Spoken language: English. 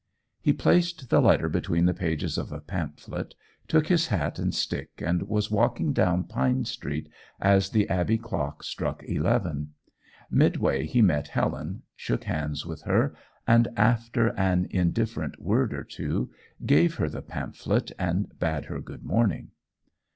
He placed the letter between the pages of a pamphlet, took his hat and stick, and was walking down Pine Street as the Abbey clock struck eleven. Midway he met Helen, shook hands with her, and, after an indifferent word or two, gave her the pamphlet, and bade her good morning.